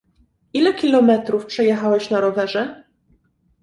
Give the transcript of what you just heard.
Ile kilometrów przejechałeś na rowerze?